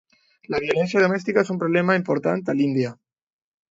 La violència domèstica és un problema important a l'Índia.